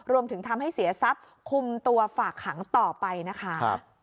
รวมถึงทำให้เสียทรัพย์คุมตัวฝากขังต่อไปนะคะ